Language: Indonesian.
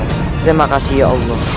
terima kasih ya allah